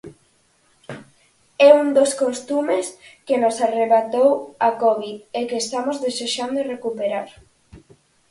É un dos costumes que nos arrebatou a covid e que estamos desexando recuperar.